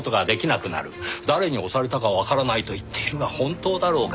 「誰に押されたかわからない」と言っているが本当だろうか？